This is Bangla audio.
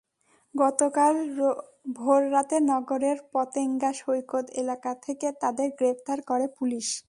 গতকাল ভোররাতে নগরের পতেঙ্গা সৈকত এলাকা থেকে তাঁদের গ্রেপ্তার করে পুলিশ।